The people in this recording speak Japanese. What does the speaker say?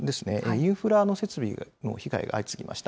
インフラの設備の被害が相次ぎました。